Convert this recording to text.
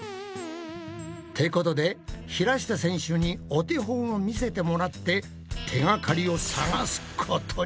ってことで平下選手にお手本を見せてもらって手がかりを探すことに。